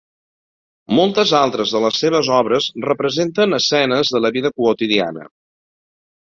Moltes altres de les seves obres representen escenes de la vida quotidiana.